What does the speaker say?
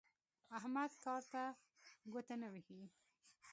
احمد کار ته ګوته نه وهي.